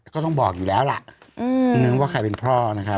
ก็ต้องบอกอยู่แล้วล่ะนึกว่าใครเป็นพ่อนะครับ